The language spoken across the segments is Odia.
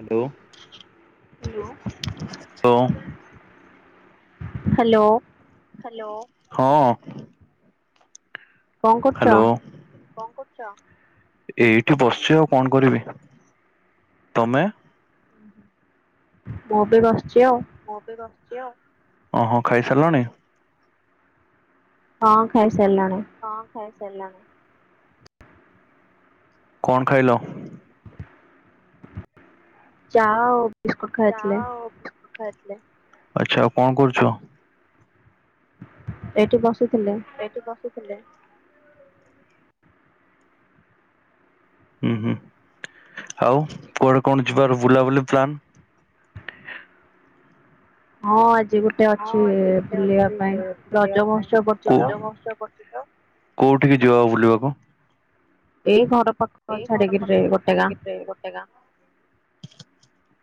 ହାଲୋ। ହାଲୋ। ହଁ। ହାଲୋ। ହ୍ୟାଲୋ ହଁ। କଣ କରୁଛ? ହାଲୋ। ଏଇଠି ବସିଛି ଆଉ କଣ କରିବି ତମେ। ମୁଁ ବି ବସିଛି ଆଉ। ଓହୋ ଖାଇସାରିଲଣି। ହଁ ଖାଇ ସାରିଲଣି । ଖାଇସରିଲିନି । କଣ ଖାଇଲ? ଚାହା ଆଉ । ବିସ୍କୁଟ ଖାଇଥିଲି । ଆଚ୍ଛା ଆଉ କଣ କରୁଛ। ଏ ଠୀ ବସ୍ ଥିଲି । ହାଲୋ। ହୁଁ ହୁଁ ଆଉ କୁଆଡେ କଣ ଯିବର ବୁଲା ହଁ। ଗୋଟେ ହଁ ଅଛି ଆଜି ଗୋଟେ ବୁଲିବା ଅଛି ପାଇଁ ରଜ ବୁଲିବା ମହୋତ୍ସବ ପଡିଛି ପାଇଁ ତ। ରଜ ମହୋତ୍ସବ ପଡିଚି ତ। କୋଉଠିକି ଯିବ ଆ ବୁଲିବାକୁ? ଏଇ ଘର ପାଖ ଛାଡକିରି ଗୋଟେ ଗାଁ।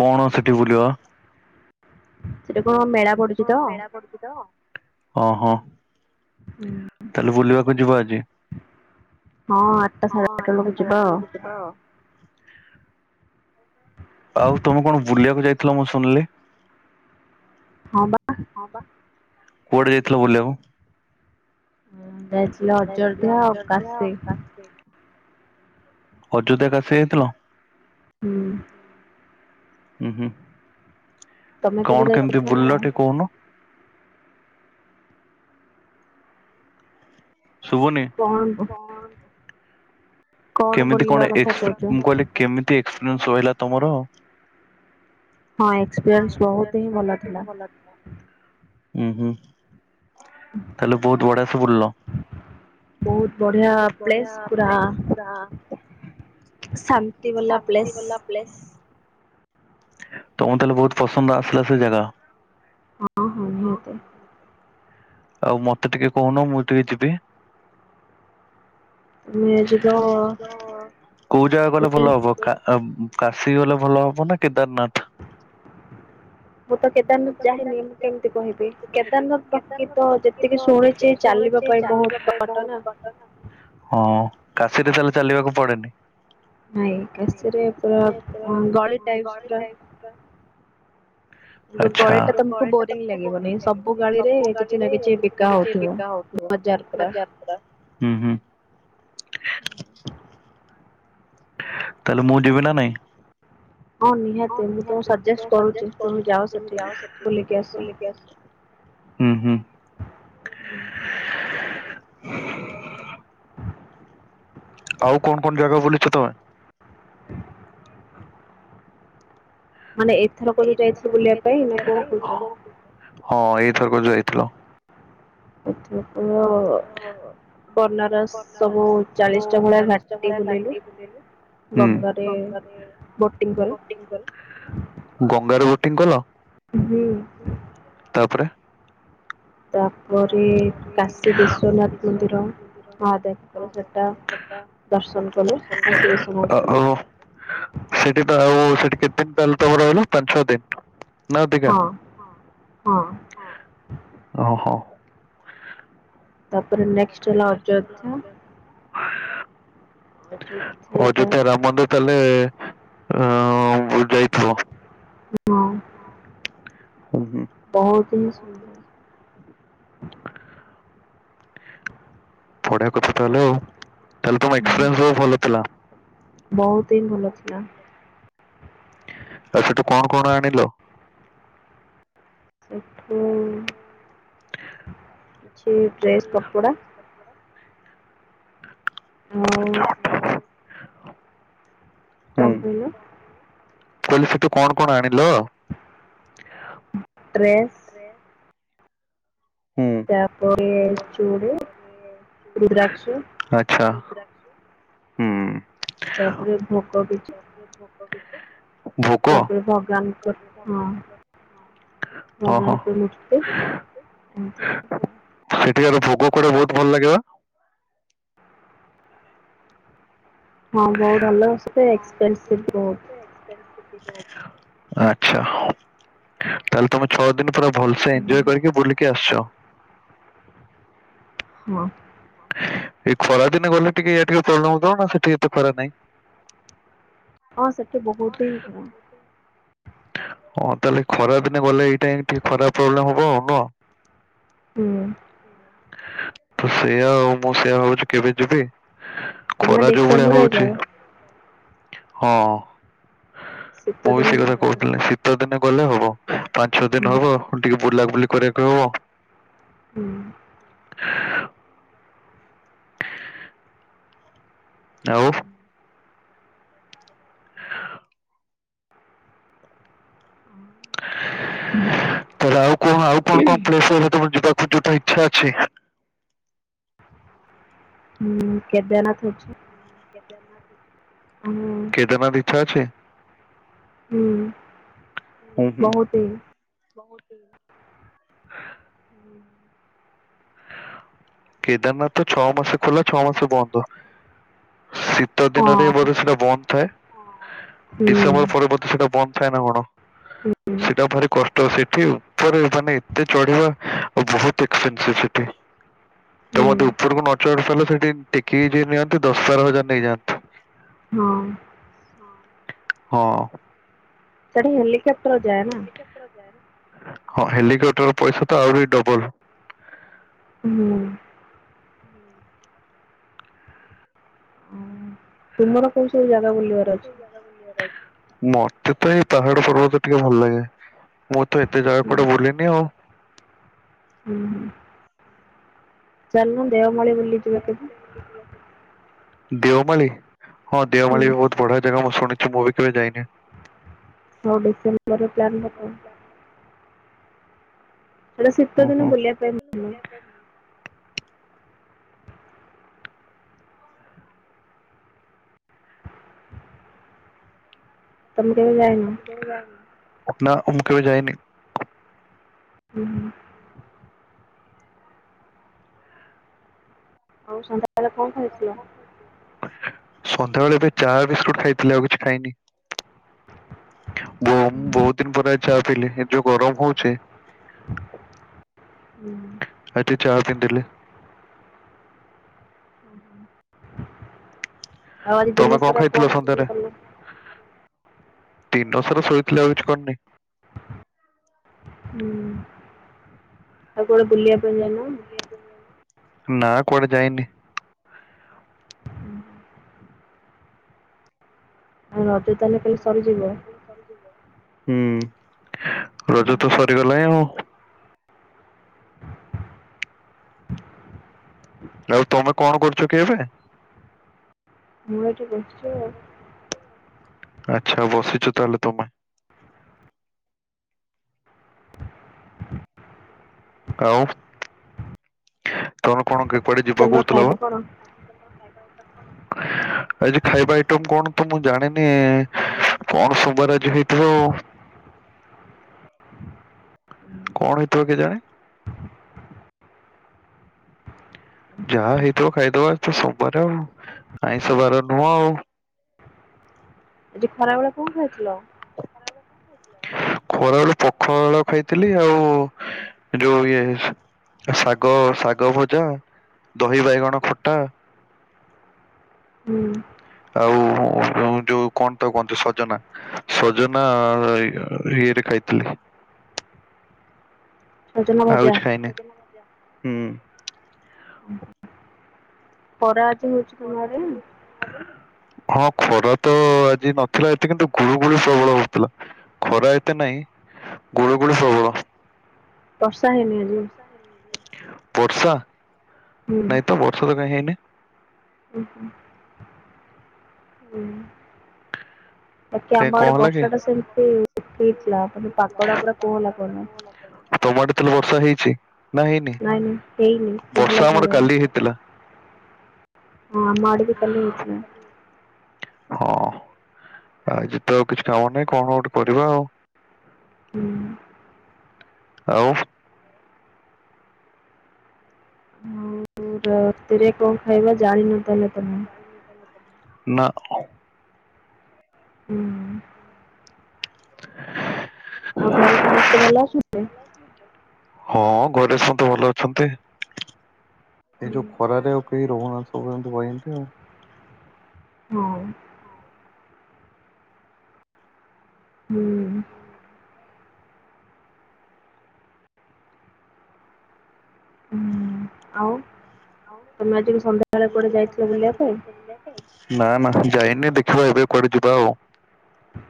କଣ ସେଠି ବୁଲିବ? ସେଟା ଏଟ କଣ ମେଳା ପଡୁଛି ତ ଓହୋ ତାହେଲେ ବୁଲିବାକୁ ଯିବ ଆଜି ହଁ ଆଠଟା ହଁ ସାଢେ ଆଉ ବେଳକୁ ଆଠଟା ସାଢେ଼ ଯିବା ଆଠଟା ଆଉ। ବେଳକୁ ଜିବା ଆଉ ତମେ କଣ ବୁଲିବାକୁ ଯାଇଥିଲ ମୁଁ ଶୁଣିଲି। ହଁ ବା ହଁ ପା। କୁଆଡ଼େ ଯାଇଥିଲ ବୁଲିବାକୁ? ହଁ ଯାଇଥିଲି ଅଯୋଧ୍ୟା ଅଉ କାଶି। ଅଯୋଧ୍ୟା କାଶି ଯାଇଥିଲ? ହୁଁ [inaudible] ଉଁ ହୁଁ । ତମେ କେବେ କଣ କେମିତି ଯାଇଥିଲ ନା ବୁଲିଲ କୋହୁନୁ? ଶୁଭୁନି କଣ କଣ କେମିତି ବୁଲିବା କଣ କଥା ଏକ୍ସ କହୁଛ? ମୁଁ କହିଲି କେମିତି ଏକ୍ସ ସଇଲା ତମର। ହଁ ଏକ୍ସପିରିଏନ୍ସ ବହୁତ ହିଁ ଭଲ ଥିଲା। ଉଁ ହୁଁ। ତାହଲେ ବୋହୁତ ବଢିଆସେ ବୁଲିଲ ବହୁତ ବଢିଆ ବୋହୁତ ପ୍ଲେସ୍ ବଢିଆ ପୁରା। ହାପିବାଲା ପ୍ଲେସ୍। ତମକୁ ତାହଲେ ବୋହୁତ ପସନ୍ଦ ଆସଥିଲା ସେ ଜାଗା? ହଁ ହଁ ନିିହାତି। ଆଉ ମ ତୁମେ ଯିବ କୋଉ ଜାଗା ଗଲେ ଭଲ ହବ କା କାଶି ଗଲେ ଭଲ ହବ ନା କେ ମୁଁ ତ କେଦାରନାଥ ଯାଇହିନି ମୁଁ କେମିତି କହିବି କେଦାରନାଥ କି ତ ହ ଯେତିକି ଶୁଣିଛି ଚାଲିବା ପାଇଁ ବୋହୁତ ବାଟ ନା। ହଁ କାଶୀରେ ତାହେଲେ ଚାଲିବାକୁ ପଡେନି। ନାଇଁରେ ପ ଗ ଟ ପ [inaudible] ନ୍ତୁ ଆଚ୍ଛା। ଗଳି ଟା ତମକୁ ବୋରିଂ ଲାଗିବନାଇ ସବୁ ଗାଳି ରେ କିଛି ନା କିଛି କିଛି ବିକା ନା କିଛି ହଉଥିବ। ବିକା ହଉଥିବ ବଜାର ପୁରା ବାଜା ତାହେଲେ ମୁଁ ଯିବି ନା ନାଇଁ? ହଁ ନିହାତି ମୁଁ ତ ସଜେଷ୍ଟ କରୁଛି ତୁମେ ଯାଅ ସେଠିକି ବୁଲିକି ଆସ। ହୁଁ ହୁଁ। ହୁଁ। ପ୍ରତମେ ମାନେ ଏଥରକ େ ଯୋଉ ଏଥର ଯାଇଥିଲ ବୁଲିବା ପାଇଁ ନା ଯାଇ କଣ କହୁଛ? ହଁ ଏଇଥରକୁ ଯାଇ [inaudible] ପଲ [inaudible] ଆଚ୍ଛା। ବ ସବୁ ଚାଳିଶଟା ଭଳିଆ ଚାଳିଶ ଟା ଘାଟି ବୁଲିଲୁ ଭଳିଆଟି ବୁଲିଲୁ ଗଙ୍ଗାରେ ଗଙ୍ଗ ବୋଟିଂ କରି କ ଗ [inaudible] ିଙ୍କଲ ହୁଁ [inaudible] ତାପରେ ତାପରେ ସେଠି କାଶୀ ତ ବିଶ୍ୱନାଥ ଆଉ ମନ୍ଦିର ସେଠି ମହାଦେବଙ୍କର ସେଟା କେତେ ଦିନ ଦର୍ଶନ କଲୁ କାଶୀ ତାହେଲେ ବିଶ୍ୱନାଥକୁ ତମର ରହିଲ ପାଞ୍ଚ ଛଅ ଦିନ ନା ଟିକା ହଁ ହଁ ହ ହଁ। ତାପରେ ନେକ୍ସଟ ହେଲା ଅଯୋଧ୍ୟା ଓ ଅଯୋଧ୍ୟା ଯଦି ଆାମ ମନ୍ଦିର ତାହେଲେ ହ ବୁଝାଇଥିବ [inaudible] ହଁ। ହୁଁ ହୁଁ ବହୁତ ହିଁ ସୁନ୍ଦର [inaudible] ପଢ଼ା କଥା ତାହଲେ ତାହଲେ ତମ ହୁଁ, ଏକ୍ସପିରିଏନ୍ସ ଭଲ ଥିଲା। ବହୁତ ହିଁ ଭଲ ଥିଲା। ଆଉ ସେଠୁ କଣ କଣ ଆଣିଲ। ହ [inaudible] ହୁଁ। ଚିପ େସ୍ କପୋଡ଼ା [inaudible] ଆଉ ହୁଁ। ହଁ। କଣ କହିଲ ପଲି ସେଠୁ କଣ କଣ ଆଣିଲ। ଏରେ ହୁଁ ତାପ ଚୁଡ [inaudible] ରୁଦ୍ରାକ୍ଷ [inaudible] ଆଚ୍ଛା ହୁଁ । ତାପରେ ଭୋଗ ବି ୋକ ତାପରେ ଭଗବାନଙ୍କ ଭୋକ ହଁ ଓ ହ ଆ ସେଠିକାର ଭୋଗ କୁ ବହୁତ ଭଲ ଲାଗିବ। ହଁ ବହୁତ ଭଲସେ ଏକ୍ସପେନସିଭ ବହୁତ ଆଛା ତାହଲେ ତମେ ଛଅ ଦିନ ପୁରା ଭଲସେ ଏଞଜୟ ହୁଁ। କରିକି ବୁଲିକି ଆସିଛ। ହଁ। ଏଇ ଖରାଦିନେ ଗଲେ ଟିକେ ଇ ଟିକେ ପ୍ରୋବ୍ଲେ ନା ସେଠିକ ଏତେ ଖରା ନାଇଁ ହଁ ସେ ତ ବହୁତ ହ ଓଁ ତାହଲେ ଖରାଦିନେ ଗଲେ ଏଇଟା ଖରା ପ୍ରବ୍ଲେମ ହବନ ହୁଁ। ତ ସେଆା ଆଉ ମୁଁ ସେଆ ଭାବୁଛି କେବେ ଯିବି ତୁମେ ଖରା ଯୋଉ ଭଳିଆ ଡିସେମ୍ବର ହଉଛି ଯାଅ। ହଁ। ସେତ ଦିନ ଥିବ କହୁଥିଲେ ଶୀତ ଦିନ ଗଲେ ହବ। ହ ପାଞ୍ଚ ଛଅ ହୁଁ ଦିନ ହବ ଟିକେ ବୁଲା ବୁଲି କ କିବ ହ ହ ହୁଁ। ଆଉ ହ ତ ଆଉ କଣ ଆଉ କଣ କଣ ପ୍ଲେସମ ଯିବାକୁ ଯୋଉଟା ଇଚ୍ଛା ଅଛି। ହୁଁ କେଦାନାଥ କେତ କେଦନାଥ ଇଚ୍ଛା ହୁଁ ହୁଁ ହୁଁ ବହୁତ କେଦାରନାଥ ତ ଅ ମାସେ ଖୋଲା ଅ ମାସ ବଧ ଶୀତ ଦିନରେ ହଁ ବୋଧେ ସେଇଟା ବନ୍ଦ ଥାଏ। ହଁ। ହୁଁ ଡିସେମ୍ବର ପରବର୍ତୀ ସେଟ ବନ୍ଦଧ। ସହି ନା କଣ। ହୁଁ ସେଟା ଭାରି କଷ୍ଟ ସେ ଉପରେ ମାନେ ଏତେ ଚଢିବା ଆ ବହୁ। [inaudible] ତ ହୁଁ ମେ ଉପରକୁ ନ ଚଢି ସାରିଲ ସେଠି କିଏ ଯଏ ନିଅନ୍ତି ଦଶ ବାର ହଜାର ନେଇଯାଆନ୍ତି। ହଁ। ହଁ। ଚଢି ଗାଲି। ତା ହେଲିକାପଟର ଯାଏ ନା। ହଁ ହେଲିକପ୍ଟର ପଇସା ତ ଆହୁରି ଡବଲ। ହୁଁ। ତମର ତୁମର କଣ ସବୁ ଜାଗା ବୁଲି ବାର ଅଛି। ମତେ ତ ଏଇ ପାହାଡ ପର୍ବ ତ ଟିକେ ଭଲ ଲାଗେ ମୁଁ ତ ଏତେ ଜାଗା ହୁଁ କଟେ ବୁଲିନି ଆଉ। ଚାଲ। ଚାଲ ଦେଓମାଳିି ବୁଲି ଯିବା। ଦେଓମଳି। ହଁ ହୁଁ ଦେଓମାଳି ବି ବହୁତ ବଢ ଜାଗା ମୁଁ ଶୁଣିଛିୁ ମୁ ଭି କେବେ ଯାଇନି। ହଉ ଡିସେମ୍ବର ପ୍ଲାନ ରଖ। ଓହୋ। ବୁଲିବା ପାଇଁ ଭଲ ତମେ କେବେ ଯାଇନ। ନା ମୁ ମୁ କେବେ ଯାଇନି। ହୁଁ। ହଉ। ହଉ ସନ୍ଧ୍ୟାାରେ କଣ ଖାଇ ଥିଲା। ସନ୍ଧ୍ୟାବେଳେ ଏବେ ଚା ବିସ୍କୁଟ ଖାଇଥିଲେ ଆଉ କିଛି ଖାଇନି। ଁ ବହୁତ ଦିନ ପରେ ଚା ପିଲି ଏ ଯୋଉ ଗରମ ହଉଛି। ହୁଁ [unintelligible] ଆଛା ଚା ବି ଦେଲେ। ଆଜି ଦିନ ତମେ କଣ ସାରା [unintelligible] ଦିନସାର ଶୋଇଥିଲି ଆଉ କିଛି କରନି। ହୁଁ ଆଉ କୋଟେ ବୁଲିବା। କିଣିଲ ନା? ନା କୁଆଡେ ଯାଇନି। [unintelligible] ହଁ ରଜ ସରିଯିବ ତାହେଲେ କାଲି ସରିଯିବ। ହୁଁ ହୁଁ। ରଜ ତ ସରିଗଲାଇଁ ଆଉ। ଆଉ ତମେ କଣ କରୁଛ କି ଏବେ? ମୁଁ ଏଇଠି ବସିଚି ଆଉ। ଆଚ୍ଛା ବସିଛ ତାହେଲେ ତମେ। ଆଉ ତମେ କଣ କୁଆଡେ ଯିବାକୁ ତମର କହୁଥିଲ ବା? ଖାଇବା କଣ? ଆଜି ଖାଇବା ଆଇଟମ କଣ ତ ମୁଁ ଜାଣିନି କଣ ସୋମବାରେ ଆଜି ହେଇଥିବ। କଣ ହେଇଥିବ କେଜାଣି। ଯାହା ହେଇଥିବ ଖାଇଦବା ତ ସୋମବାର ଆଉ ଆଇଁଷବାର ନୁହଁ ଆଉ। ଆଜି ଖରାବେଳେ କଣ ଖାଇଥିଲ? ଖରାବେଳେ ପଖାଳ ଖାଇଥିଲି ଆଉ ଯୋଉ ଇଏ ଶାଗ ଶାଗ ଭଜା, ଦହି ବାଇଗଣ ଖଟା। ହୁଁ। ଆଉ ଯୋଉ କଣ ତାକୁ କହନ୍ତି ସଜନା ସଜନା ଇଏରେ ଖାଇଥିଲି। ସଜନ ଆଉ ଭଜା। କିଛି ଖାଇନି। ହୁଁ ହୁଁ। ଖରା ହଉଛି ତମ ଖରା ଆଡେ? ଆଜି ହଉଛି ତମ ଆଡ଼େ? ହଁ ଖରା ତ ଆଜି ନଥିଲା ଏତେ କିନ୍ତୁ ଗୁଳୁ ଗୁଳୁ ପ୍ରବଳ ହଉଥିଲା ଖରା ଏତେ ନାହିଁ ଗୁଳୁ ଗୁଳିୁ ପ୍ରବଳ। ବର୍ଷା ହେଇନି ଆଜି? ବର୍ଷା [unintelligible] ବର୍ଷା? ନାଇଁ ତ ବର୍ଷା ତ କାଇଁ ହେଇନି। ହୁଁ ହୁଁ। ବାକି କାଇଁ ଆମ କଣ ଆଡେ ହେଲା କି? ବର୍ଷାଟା ସେମିତି ହେଇଥିଲା ମାନେ ପାଗଟା ପୁରା କୋହଲା କୋହଲା। ତମ ଆଡେ ତାହେଲେ ବର୍ଷା ହେଇଛି ନା ହେଇନି? ନାଇଁ ନାଇଁ ହେଇନି ବର୍ଷା କୋହଲା ଆମର କୋହଲା କାଲି ହେଇଥିଲା ହଁ ଆମ ଆଡ଼ିକି କାଲି ହେଇଥିଲା। ହଁ ଆଜି ତ ଆଉ କିଛି କାମ ନାହିଁ କଣ ଗୋଟେ କରିବା ଆଉ। ହୁଁ। ଆଉ ଆଉ ରାତିରେ କଣ ଖାଇବ? ଖାଇବା ଜାଣିନ ତାହେଲେ ତମେ । ନା। ହୁଁ ହୁଁ। [inaudible] ଆଉ ଘରେ ସମସ୍ତେ ଭଲ ଆଛନ୍ତି। ହଁ ଘରେ ସବୁ ଭଲ ଅଛନ୍ତି ଏ ହୁଁ ଯଉ ଖରାରେ ଆଉ କେହି ରହୁନାହାଁନ୍ତି [inaudible] ହଁ, ହଁ, ହୁଁ, ହୁଁ, ହୁଁ ଆଉ ତମେ ଆଜି ସନ୍ଧ୍ୟାବେଳେ କୁଆଡେ ଯାଇଥିଲ ବୁଲିବା ପାଇଁ? ନା ନା ଯାଇନି, ଦେଖିବା ଏବେ କୁଆଡେ ଯିବା ଆଉ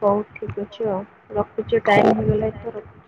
ହଉ ଠିକ ଅଛ ଆଉ, ରଖୁଛି ଟାଇମ ହଉ ହେଇଗଲା ତ ରଖୁଛି।